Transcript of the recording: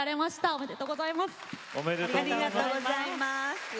ありがとうございます。